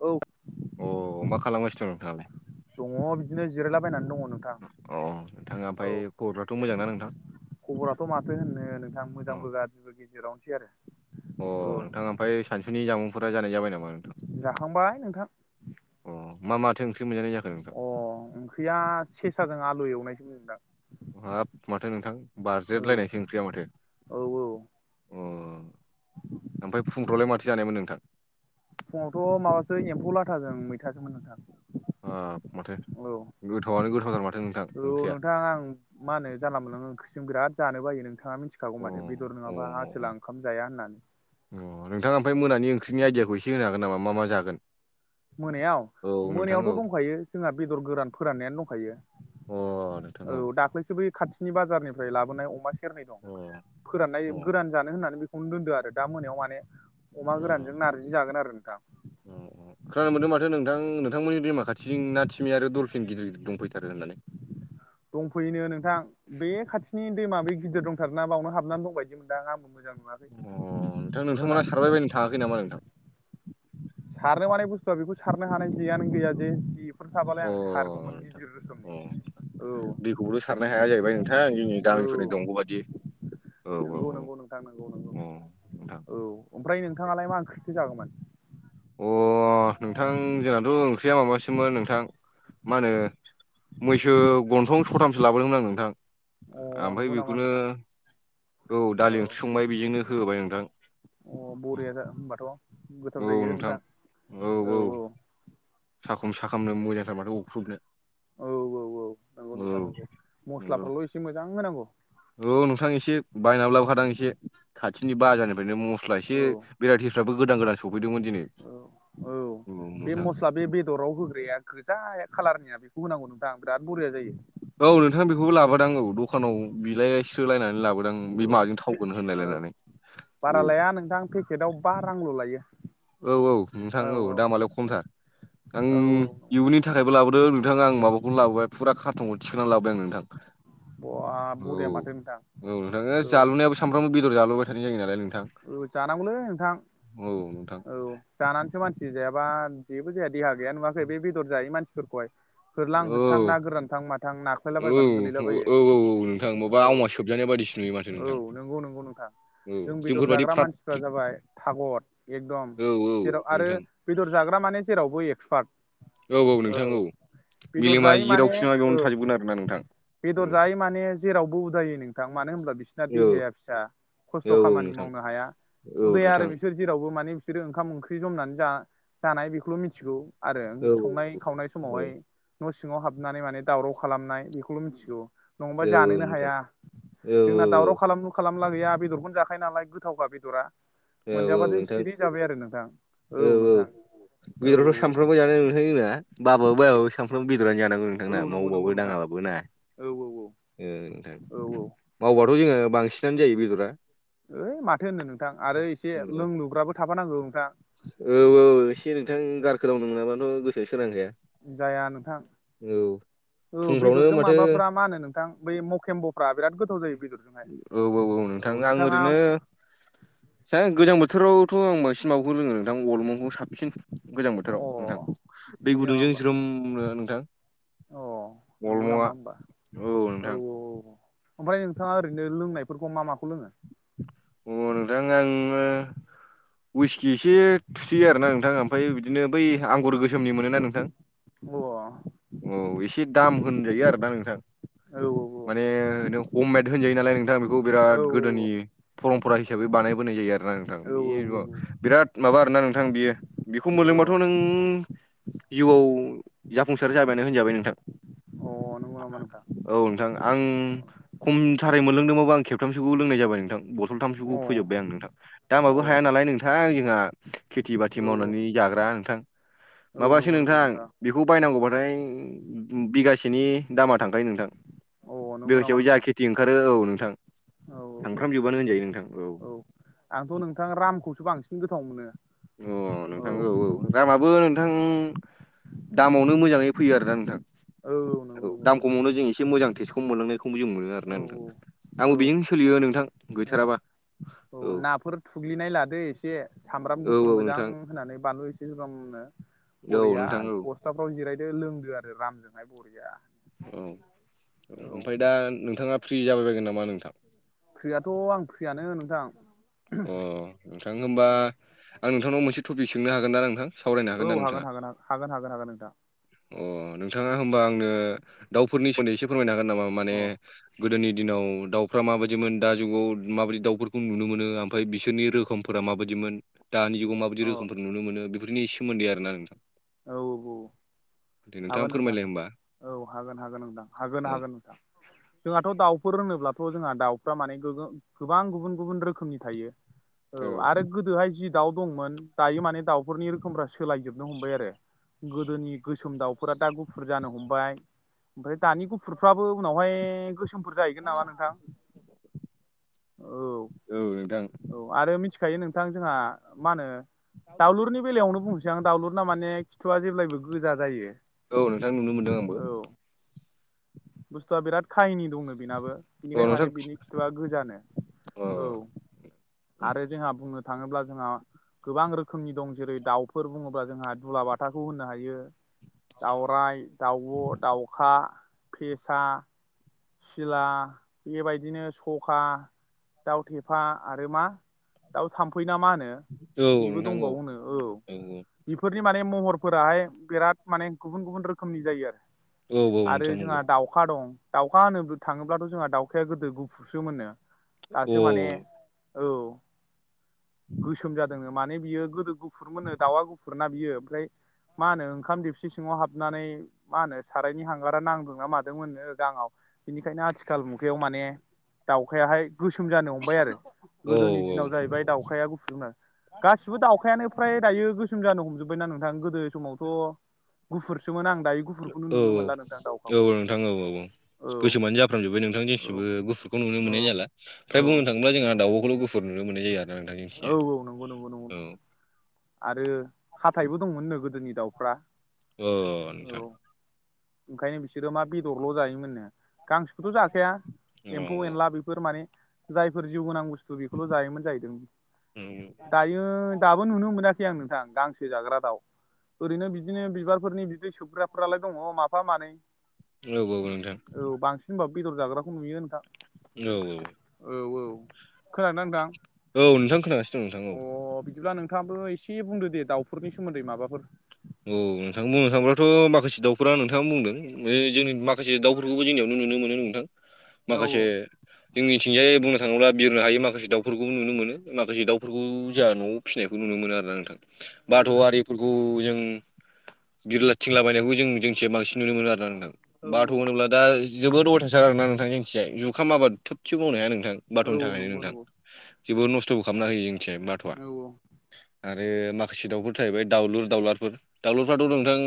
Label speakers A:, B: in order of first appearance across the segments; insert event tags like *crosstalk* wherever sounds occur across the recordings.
A: औ
B: अ मा खालामगासिनो दं नोंथाङालाय?
A: दङ बिदिनो जिरायलाबायनानै दङ नोंथां।
B: अ नोंथाङा
A: औ
B: ओमफफ्राय खबरफ्राथ' मोजांना नोंथां?
A: खबराथ' माथो होननो नोंथां
B: औ
A: मोजांबो गाज्रिबो गेजेरावनो
B: अ नोंथाङा ओमफ्राय सानसुनि जामुंफोरा जानाय जाबाय नामा? नोंथां?
A: जाखांबाय नोंथां
B: अ मा माथो ओंख्रि मोनजानाय जाखो नोंथां?
A: अ ओंख्रिया सेसाजों आलु एवनायसो नोंथां।
B: हाब माथो नोंथां
A: औ
B: बारजेलायनायसो ओंख्रिया माथो
A: औ औ
B: अ ओमफ्राय फुंफ्रावलाय माथो जानायमोन नोंथां?
A: फुङावथ' माबासो एम्फौ लाथाजों मैथासोमोन नोंथां।
B: ह माथो
A: औ
B: गोथावआनो गोथावथार माथो नोंथां
A: औ
B: ओंख्रि या।
A: नोंथां आं मा होन जानलाङो ओंख्रिजों बिराद जानो बायो नोंथाङा मिथि फखागौ
B: अ
A: माथो बेदर नङाबा आसोला ओंखाम जाया होननानै।
B: अ नोंथाङा ओमफ्राय मोनानि ओंख्रिनि आयडियाखौ एसे होन हागोन नामा मा मा जागोन?
A: मोनायाव
B: औ नोंथां औ
A: मोनायावथ' दंखायो जोंहा बेदर गोरान फोराननायानो दंखायो।
B: अ नोंथां
A: औ दाख्लैसो बै खाथिनि बाजारनिफ्राय लाबोनाय अमा सेरनै दं।
B: अ
A: फोराननाय
B: अ
A: गोरान जानो होननानै खन दोन्दो आरो दा मोनायाव माने अमा गोरानजों नारजि जागोन आरो नोंथां।
B: औ औ खोनानो मोनदों माथो नोंथां नोंथांमोननि दैमा खाथिनि नाथिमि आरो दलफिन गिदिर गिदिर दं फैथारो होननानै
A: दंफैयोनो नोंथां बे खाथिनि दैमा बे गिदिर दंथारोना बावनो हाबनानै दंबायदि मोनदां आंबोमोन मोजां
B: नोंथां
A: नुवाखै
B: नोंथांमोना
A: खोनानो
B: सारबाय
A: संदों
B: बायनो थाङाखै नामा नोंथां
A: सारनो मानाय बुस्थुआ बेखौ सारनो हानाय जेयानो गैया जे फोर थाबालाय
B: अ
A: आं सारगौमोन गिदिर रोखोमनि औ
B: दैखौबोल' सारनो हाया जाहैबाय नोंथां जोंनि
A: औ
B: गामिफोरनि दंग' बादि औ औ
A: नंगौ
B: औ
A: नंगौ नोंथां नंगौ नंगौ
B: अ नोंथां
A: औ ओमफ्राय नोंथाङालाय मा ओंख्रिथो जागौमोन
B: अ नोंथां जोंनाथ' ओंख्रिया माबासोमोन नोंथां मा होनो मैसो गन्थं सथामसो लाबोदोंमोन आं नोंथां
A: अ
B: ओमफ्राय
A: नंगौ नामा
B: बेखौनो
A: नोंथां
B: औ दालि ओंख्रि संबाय बेजोंनो होबाय नोंथां
A: अ बरिया होनबाथ' गोथाव जायो नोंथां औ औ
B: साखुम साखामनो मोजांथारबाथो अख्रुबनो
A: औ औ औ नंगौ
B: औ
A: नोंथां नांगौ
B: नंगौ
A: मस्लाफ्राल' एसे मोजां होनांगौ
B: औ नोंथां एसे बायनानै लाबोखादों एसे खाथिनि बाजारनिफ्रायनो मस्ला एसे
A: औ
B: भेराइटि बो गोदान गाससि
A: औ औ बे
B: नोंथां
A: मस्ला बे बेदराव होग्राया गोजा खाालारनिया बेखौ होनांगौ नोंथां बिराद बरिया जायो
B: औ नोंथां बेखौबो लाबोदां औ द'खानाव बिलायस्रो लायनानै लाबो दां बे
A: औ
B: माजों थावगोन होनलायलायनानै औ।
A: दा नोंथां फे पेटआव बा रांल' लायो।
B: औ औ नोंथां औ दामालाय खमथार आं
A: औ औ
B: इयुननि थाखायबो लाबोदों नों नोंथां आं माबाखौनो लाबोबाय फुरा खारथनखौ थिखांनानै लाबोबाय आं नोंथां
A: बा
B: औ
A: बुरिया माथो नोंथां औ
B: सानफ्राम बेदर जोबबाय थानाय जायो नालाय नोंथां
A: औ जानांगौलै नोंथां
B: औ नोंथां
A: औ जानानैसो मानसि जायाबा जेबो जायहा देहा गैया नुवाखै बे बेदर जायै मानसि फोरखौहाय होरलां
B: औ
A: होदथां ना गोरानथां माथां
B: औ
A: नाख्लायलाबायबानो गोलैला बायो
B: औ औ नोंथां माबा आवमा सोबजानाय बायदिसो नुयो माथो
A: औ।
B: नोंथां
A: औ नोंगौ नोंगौ नोंथां।
B: औ *unintelligible*
A: दर जाग्रा मानसिफ्रा
B: फ्रिद
A: जाबाय थागर एकदम
B: औ औ
A: जेराव आरो
B: नोंथां
A: बेदर जाग्रा माने जेरावबो एक्सपार्ट
B: औ औ नोंथां औ
A: बेदर
B: मेलेमा
A: जायै माने
B: जेरावखि नङा बेयावनो
A: औ
B: थाजोबगोन आरोना नोंथां।
A: बेदर
B: औ
A: जायै माने जेरावबो उदायै नोंथां मानो होमब्ला बिसिना
B: औ
A: देहाया फिसा। खस्थ'
B: औ
A: खामानि
B: नोंथां
A: मावनो हाया
B: औ
A: उदाया आरो
B: नोंथां
A: बिस सोर जेरावबो माने बिसोरो ओंखाम ओंख्रि जमनानै जा जानाय बेखौल' मिनथिगौ। आरो
B: औ औ
A: संनाय खावनाय समावहाय न' सिङाव हाबनानै माने दावराव खालामनाय बेखौल' मिनथिगौ। नङाबा
B: औ औ औ
A: जानोनो
B: नोंथां
A: हाया
B: औ औ
A: जोंना दावराव खालाम खालामला गैया बेदरखौनो जाखायो नालाय गोथावखा बेदरा।
B: औ औ
A: मोनजाबादि
B: नोंथां
A: सिरि जाबाय आरो नोंथां औ नोंथां। औ
B: बेदराथ' सामफ्रोमबो जानाय *unintelligible* बाबाबो बायाबो सानफ्रोमबो बेदरानो जानांगौ।
A: औ
B: जोंना
A: नंगौ नंगौ
B: मावबाबो
A: नोंथां
B: दाङाबाबो ना
A: औ
B: ओ नोंथां।
A: औ
B: मावबाथ' जोङो बांसिनानो जायो बेदरा।
A: ओइ माथो होन्नो नोंथां आरो एसे
B: औ
A: लोंलुग्राबो थाफानांगौ नोंथां।
B: औ औ एसे नोंथां गारखो दावनो मोनाबाथ' गोसोआ सोरांखाया।
A: जाया नोंथां।
B: औ
A: औ
B: फुंफ्रावनो
A: बेदरजों
B: माथो
A: माबाफ्रा मा होनो नोंथां बै मकेम्ब'फ्रा बिराद गोथाव जायो बेदरजोंहाय।
B: औ औ औ नोंथां। आं ओरैनो जा गोजां बोथोरावथ' आं बांसिन माबाखौ लोङो नोंथां अलमावखौ साबसिन गोजां बोथ
A: अ
B: थोराव नोंथां दै
A: बिदि नामा
B: गुदुंजों
A: होमबा
B: ज्रोमनो नोंथां।
A: अ नंगौ
B: अलमंआ
A: नामा होबा औ औ औ। ओमफाय नोंथाङा ओरैनो लोंनायफोरखौ मा माखौ लोङो?
B: अ नोंथां आङो उइसकि एसे थुसियो आरो ना नोंथां ओमफाय बिदिनो बै आंगुर गोसोमनि मोनोना नोंथां
A: बआ
B: औ एसे दाम होनजायो आरो दा नोंथां।
A: औ औ औ।
B: माने नों हममेद होनजायो नालाय नोंथां बेखौ
A: औ
B: बिराद गोदोनि
A: औ
B: परमपरा हिसाबै बानायबोनाय जायो आरोना नोंथां
A: औ
B: *unintelligible* बिराद माबा आरोना नोंथां बियो बिखौ
A: औ
B: मोनलोंबाथ' नों जिउआव जाफुंसार जाबायानो होनजाबाय नोंथां।
A: औ अ नंगौ नामा नोंथां
B: *inaudible* औ नोंथां आं खमथारै मोनलोंदोंबाबो आं खेबथामसोखौ लोंनाय जाबाय नोंथां बस
A: अ
B: खन्थामसोखौ फोजोबबाय आं नोंथां
A: अ औ
B: दामाबो हाया नालाय नोंथां जोंहा खेथि बाथि
A: औ
B: मावनानै जाग्रा नोंथां
A: औ
B: माबासो
A: नंगौ नंगौ
B: नोंथां। बेखौ बायनांगौबाथाय बिगासेनि दामा थांखायो नोंथां।
A: अ
B: बे
A: नंगौ नामा
B: लोगोसेयाव जा
A: नोंथां
B: खेथि ओंखारो औ नोंथां।
A: औ औ
B: खालामजोबबानो होनजायो नोंथां औ।
A: आंथ' नोंथां रामखौसो बांसिन गोथाव मोनो।
B: अ नोंथां औ औ। रामाबो नोंथां दामावनो मोजाङै फैयो आरोना नोंथां।
A: औ औ नों
B: औ दाम खमावनो जों एसे मोजां टेस्टखौ मोनलांनायखौ जों मोनो आरो
A: औ
B: ना नोंथां
A: औ
B: आंबो बेजों सोलियो नोंथां
A: औ
B: गैथाराबा।
A: औ नाफोर थुग्लिनाय लादो एसे सामब्राम
B: औ
A: गुफुर
B: औ
A: मोजां।
B: नोंथां
A: होनानै बानलु एसे जोगोमनो
B: औ
A: बरिया
B: नोंथां औ
A: फथाफ्राव जिरायदो लोंदो आरो रामजोंहाय बरिया
B: औ औ
A: औ
B: ओमफ्राय दा नोंथाङा फ्रि जाबाय बायगोन नामा नोंथां?
A: फ्रियाथ' आं फ्रियानो नोंथां।
B: अ नोंथां होमबा
A: औ
B: आं नोंथांनाव मोनसे टपिक सोंनो हागोन ना नोंथां? सावरायनो
A: औ
B: ना नोंथाङा
A: हागोन होन हागोन हागोन हागोन नोंथां।
B: अ नोंथाङा होमबा आंनो दाउफोरनि सोमोन्दै एसे फोरमायनो हागोन नामा माने
A: अ
B: गोदोनि दिनाव दाउफ्रा माबायदिमोन दा जुगाव माबायदि दाउफोरखौ नुनो मोनो आं। ओमफ्राय बिसोरनि रोखोमफोरा माबायदिमोन दानि जुगाव
A: अ
B: माबायदि
A: औ
B: रोखोमफोर नुनो मोनो बेफोरनि सोमोन्दै आरोना नोंथां।
A: औ औ
B: दे नोंथाङा
A: हागोन नोंथां
B: फोरमायलाय होमबा
A: औ हागोन हागोन नोंथां हागोन
B: औ
A: हागोन नोंथां। जोंहाथ' दाउफोर रोङोब्लाथ' जोंहा दाउफ्रा माने गोगो गोबां गुबुन गुबुन रोखोमनि थायो। औ आरो गोदोहाय जि दाउ दंमोन दायो माने दाउफोरनि रोखोमफ सोलायजोबनो हमबाय आरो गोदोनि गोसोम दाउफोरा दा गुफुर जानो हमबाय। ओमफ्राय दानि गुफुरफ्राबो उनावहाय गोसो समोमफोर जाहैगोन नामा नोंथां?
B: औ नोंथां
A: औ। औ आरो मिथिखायो नोंथां जोंहा मा होनो दाउलुरनि बेलायावनो बुंसै आं दाउलुरना माने फिथ'आ जेब्लायबो गोजा जायो।
B: औ नोंथां नुनो मोनदों आंबो
A: औ बुस्थुआ बिराद काहिनि दंनो बिनाबो
B: अ
A: बिनिखायनो
B: नोंथां
A: माने बिनि फिथुआ गोजानो
B: अ
A: औ। आरो जोंहा बुंनो थाङोब्ला जोंहा गोबां रोखोमनि दं जेरै दाउफोर बुङोब्ला जोंहा दुलाबाथाखौ होनो हायो। दाउरराय दाउब' दाउखा फेसा सिला बेबायदिनो सखा दाउ थेफा आरो मा दाउ थाम्फै ना मा होनो?
B: औ
A: बेबो
B: नोंथां
A: दंबावनो औ बेफोरनि माने महरफोराहाय बिराद माने गुबुन गुबुन रोखोमनि जायो आरो।
B: औ औ
A: आरो
B: नोंथां
A: जोंहा
B: नंगौ
A: दाउखा दं दाउखा होनो थाङोब्लाथ' जोंहा दाउखाया गोदो गुफुरसो मोनो
B: औ
A: दासो माने औ गोसोम जादों माने बियो गोदो गुफुर मोनो दाउा गुफुर ना बियो ओमफ्राय मा होनो ओंखाम देपसि सिङाव हाबनानै मा होनो सारायनि हांगारा नांदोंना मादों मोननो दाङाव बेनिखायनो आथिखाल मुगायाव माने दाउखायाहाय गोसोम जानो हमबाय आरो
B: औ
A: गोदोनि दिनाव जाहैबाय दाउखाया गुफुरनो। गासिबो दाउखायानो फ्राय दायो गोसोम जानो हमजोब्बायना नोंथां गोदो समावथ' गुफुरसोमोन आं दायो गुफुरखौनो
B: औ
A: नुनो मोनला नोंथां दावखाखौ।
B: नोंथां औ औ औ गोसोोबानो जाफ्रामजोबबाय नोंथां जेसिमबो
A: औ
B: गुफुरखौ नुनो
A: औ
B: मोननाय जाला।
A: औ
B: ओमाय बुंनो थाङोब्ला जोंहा दाउबखौल गुुफुर नुनो मोननाय जायो आरो नोंथां।
A: औ
B: जोंनिथिंजाय
A: औ नंगौ नंगौंगौ
B: औ
A: आरो हाथथायबो दंमोननो गोदोनि दाउफ्रा।
B: अ
A: औ
B: नोंथां
A: ओंखायनो बिसोरो मा बेदरल' जायोमोननो गांसोखौथ' जाखाया
B: औ
A: एम्फौ एनला बेफोर फोर माने जायफोर जिउ गोनां बुस्थु बेखौल' जायोमोन जाहैदों। दायो दाबो नुनो मोनाखै आं नोंथां गांसो जाग्रा दाउ ओरैनो बिदिनो बिबारफोरनि बिदै सोबग्राफ्रालाय दङ माफा मानै
B: औ नोंथां
A: औ बांसिन होनबा बेदर जाग्राखौ नुयो नोंथां।
B: औ औ
A: औ औ खोनादों ना नोंथां?
B: औ नोंथां खोनासिनो। *unintelligible*
A: अ बिदिब्ला नोंथाङाबो एसे बुंदो दे दाउफोरनि सोमोन्दै माबाफोर।
B: औ नोंथांा बुंनो थाङोब्लाथ' माखासे दाउफोरा नोंथाङा बुंदों जोंनि माखासे दाउफोरखौबो जोंनियावनो नुनो मोनो नोंथां
A: औ
B: माखासे जोंनिथििंजायै बुंनो थाङोब्ला बिरनो हायो माखासे दाउफोरखौबो नुनो मोनो माखासे दाउफोरखौ जोंहा न'आव फिसिनायखौ नुनो मोनो आरोा नोंथां
A: औ
B: बाथौआरिफोरखौ जों बिरलाथििंला बायनायखौ जों जोंसे बांसिन नुनो मोन आरो नां
A: औ
B: बाथ' होनोब दा जोबोद अथासाार ना नोंथां जखथििया जुखामाबादा थोबसे बुंनो हाया नोंथां बाथ'नि
A: औ
B: थाखायनो
A: नंगौ
B: नोंथां।
A: नंगौ
B: जबोद नस्थ'बो खालामना होयो जोंनिथि बाथ'आ।
A: औ औ
B: आरो माखासे दाउफोर थाहैबाय दाउलुर दाउलारफोर दाउलरफ्राथ' नोंथां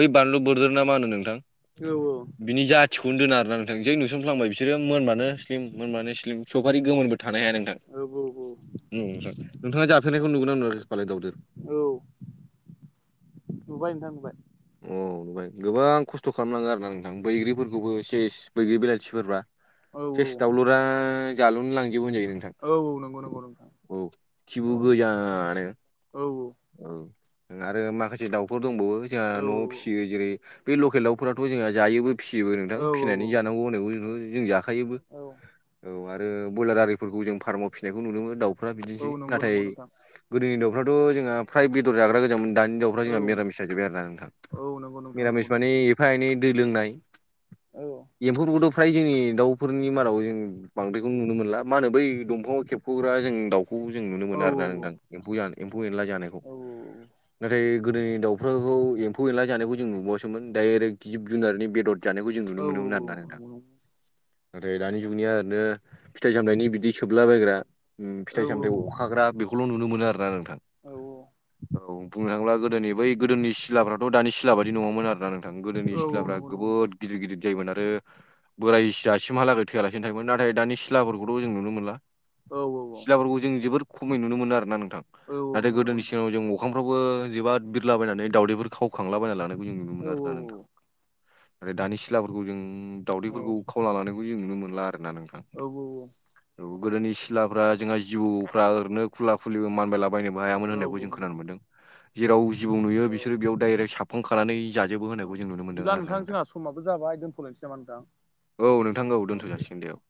B: बै बानलु बोरदोर ना मा होनो नोंथां?
A: औ औ
B: बिनि जाथिखौनो दोना आरोना नोंथां जै नुसनफ्लांबाय बिसोरो मोनबानो स्लिम मोनबानो स्लिम सफारि गोमोनबो थानो हाया नोंथां।
A: औ
B: नोंथाङ जाफेरनायखौ नुदों ना नुवाखै फालाय *unintelligible*
A: औ नुबाय नोंथां नुबाय।
B: औ नुबाय गोबां खस्थ' खालामनङो आरोोना नोंथां बैग्रिफोरखौबो सेस बैग्रि बिलाथिफोरबा
A: औ
B: फेस
A: औ
B: दावउलुरा जालुनो लांजोबो होनजायो नोंथां।
A: औ नंगौ नंगौ नोंथां
B: औ
A: औ
B: खिबु गोजानो।
A: औ औ
B: औ आरो माखासे दाउफोर दंबावो
A: औ
B: जोंहा न'आव फिसियो जेरै बे लकेल दाउफोरा्राथ' जोंहा जायोबो फिसियोबो नोंथां
A: औ
B: फिसिनानै जानांगौ होननायखौ जथ' जों जाखायो।
A: औ
B: औ आरो ब्रलार आर ज फार्माव फनायखौ नुनो दाउ दफ्रा
A: औ
B: बिदिनोसै
A: नंगौ
B: नाथाय
A: नंगौ नोंथां
B: गोदोनि दाउफ्राथ' जोंहा फ्राय बेदर जाग्रा गोजाम मोन। दानि दाउफ्रा जोंहा
A: औ
B: मिरामिस जाजोब्बाय आरो ना नोंथां
A: औ नंगौ नोंथां नंगौ
B: मिरामिस
A: नंगौ
B: मानिे एफा एनै दै लोंनाय।
A: औ।
B: एम्फौफोरखौथ' फ्राय जोंनि दाउफोरनि मादाव जों बांद्रायखौ नुनो मोनला मा होनो बै दंफाङाव खेबख'ग्रा जों दाउ। खौ जों नुनो
A: औ
B: मोन आरोना
A: औ
B: नोंथां एम्फौ एनला जानायखौ
A: औ
B: नाथाय गोदोनि दा खौ एम्फौ एनला जानायखौ जों नुबासोमोन दडाइरेक्ट जिब जुनारनि बेदर जानायखौ जों नुनो
A: औ
B: मोनोमोन आरोना
A: औ
B: नोंथां।
A: नंगौ नंगौ
B: नाथाय दानि जुगनिया ओरैनो फिथाइ सामनायनि बिदि सोबलाबायग्रा
A: औ
B: फिथाइ
A: औ
B: सामथथाय अखाग्रा बेखौल' नुनो मोनो आरो ना नोंथां।
A: औ।
B: औ बुंनो थांला गोदोनि बै गोदोनि सिलाफ्राथ' दानि सिला बादि नङामोन आरोना। गोदोनि
A: औ
B: सिथ्लाफ्रा
A: नंगौ नंगौ नोंथां
B: गोोबोद गिदिर गिदिर जायोमोन आरो बोराय जासिमहालागै थोयालासिनो थायोमोन नाथाय दानि सिलाफोरखौथ' जों नुनो मोनला।
A: औ औ।
B: सि्लाफोरखौ जों जोोबोर खमै नुनो मोनो आरो ना नोंथां
A: औ
B: नाथाय
A: नंगौ नंगौ नोंथां औ
B: गोदोनि जनाव जों मोखांफ्रावबो जोबोाथ बिरलाबायनानै दावदैफोर खावखांलाबायना लानो। जों नुनो मोनो आरोना नोंथां न दानि सिलाफोरखौ जों दाावदैफोरखौ। खावला लानायखौ जों नुनो मोनला आरो ना नोंथां।
A: औ।
B: गोदोनि सिलाफ्रा जोंहा जिबौफ्रा ओरैनो खुला खुलिबो मानबायलाबायनोबो हायामोन होननायखौ जों खोनानो
A: औ
B: मोनदों। जेराव जिबौ
A: नंगौ नोंथां
B: नुयो
A: औ
B: बिसोर बेयाव डाइरेक्ट साब फन खानानै जाजोबो
A: औ
B: होनायखौ जों नुनो मोनदों
A: बिदिब्ला
B: आरो नोंथां
A: जोंहा समाबो जाबाय दोनथ'लायनोसै नामा नोंथां
B: औ नोंथांखौ औ दोनथ' जासिगोन दे औ।